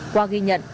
qua ghi nhận